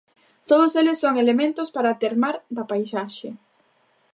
Todos eles son elementos para "termar da paisaxe".